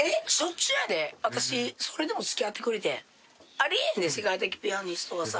あり得へんで世界的ピアニストがさ。